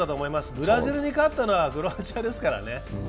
ブラジルに勝ったのはクロアチアですからね。